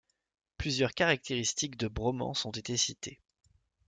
Plusieurs caractéristiques de bromance ont été cités.